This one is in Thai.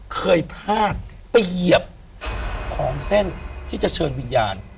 เคยพลาดไปเหยียบของเส้นที่จะเชิญวิญญาณ